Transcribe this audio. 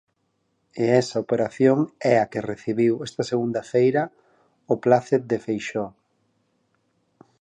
E esa operación é a que recibiu esta segunda feira o plácet de Feixóo.